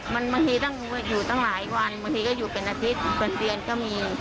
ถึงมันบางที่อยู่ตั้งหลายวันบางที่อยู่อาทิตย์บนเตียงก็มี